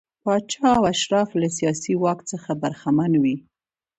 پاچا او اشراف له سیاسي واک څخه برخمن وي.